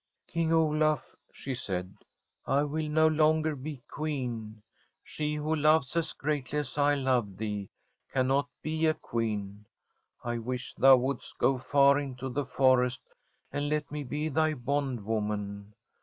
' King Olaf/ she said, * I will no longer be Queen. She who loves as greatly as I love thee cannot be a Queen. I wish thou wouldest go far into the forest, and let me be thy bondwoman.